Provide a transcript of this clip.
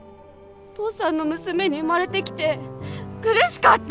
父さんの娘に生まれてきて苦しかった！